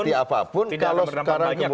tidak akan berdampak banyak